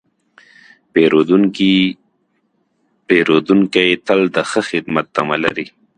پیرودونکی تل د ښه خدمت تمه لري.